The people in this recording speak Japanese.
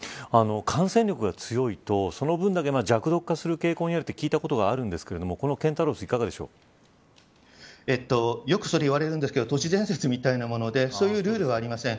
感染力が強いと、その分だけ弱毒化する傾向にあると聞いたことがあるんですがこのケンタウロスはよくそれ言われるんですが都市伝説みたいなものでそういうルールはありません。